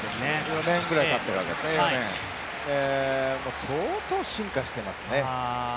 ４年ぐらいたっているわけですね、相当進化していますね。